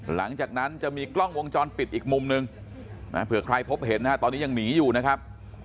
หลังจากนั้นจะมีกล้องวงจรปิดอีกมุมหนึ่งเผื่อใครพบเห็นนะฮะตอนนี้ยังหนีอยู่นะครับ